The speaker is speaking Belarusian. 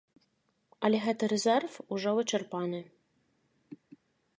Але гэты рэзерв ужо вычарпаны.